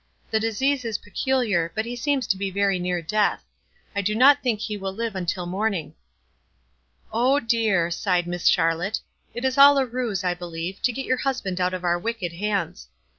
"The disease is peculiar, but he seems to be very near death. I do not think he will live until morn ing." " Oh, dear," sighed Miss Charlotte, " it is all a ruse, I believe, to get your husband out of our wicked hands.